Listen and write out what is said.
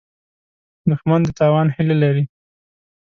دښمن د تاوان هیله لري